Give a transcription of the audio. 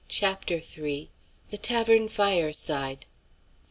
CHAPTER III. THE TAVERN FIRESIDE.